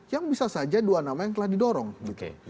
yang bisa saja dua nama yang telah didorong gitu